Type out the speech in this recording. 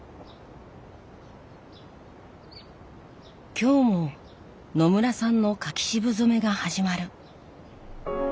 今日も野村さんの柿渋染めが始まる。